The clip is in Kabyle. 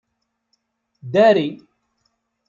Dari.